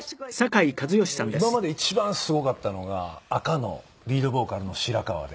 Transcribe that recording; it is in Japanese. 今まで一番すごかったのが赤のリードボーカルの白川で。